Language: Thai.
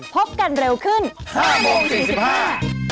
โปรดติดตามตอนต่อไป